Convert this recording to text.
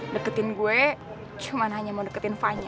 deketin gue cuman hanya mau deketin vanya